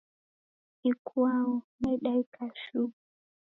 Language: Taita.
Ikwau nedaika shuu.